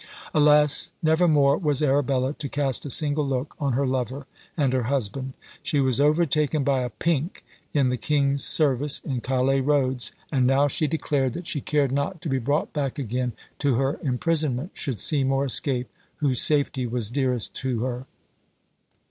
Alas! never more was Arabella to cast a single look on her lover and her husband! She was overtaken by a pink in the king's service, in Calais roads and now she declared that she cared not to be brought back again to her imprisonment should Seymour escape, whose safety was dearest to her!